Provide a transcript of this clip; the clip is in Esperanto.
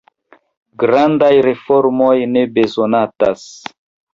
Grandaj reformoj ne bezonatas.